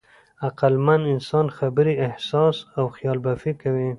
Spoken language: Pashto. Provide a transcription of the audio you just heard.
عقلمن انسان خبرې، احساس او خیالبافي کوي.